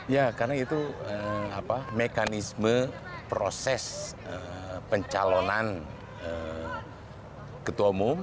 ya karena itu mekanisme proses pencalonan ketua umum